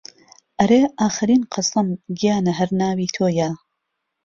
ئەرێ ئاخەرین قەسەم گیانە هەر ناوی تۆیە